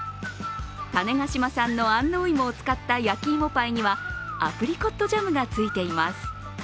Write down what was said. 種子島産の安納芋を使った焼き芋パイにはアプリコットジャムがついています。